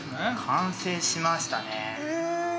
完成しましたね。